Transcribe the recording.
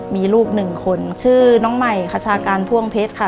มีลูกหนึ่งคนชื่อน้องใหม่คชาการพ่วงเพชรค่ะ